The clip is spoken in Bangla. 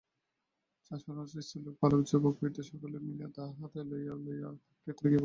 চাষারাঞ্চ স্ত্রীলোক বালক যুবক বৃদ্ধ সকলে মিলিয়া দা হাতে লইয়া ক্ষেত্রে গিয়া পড়িল।